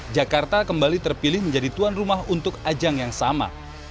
jakarta kembali terpilih menjadi tuan rumah untuk ajang yang sama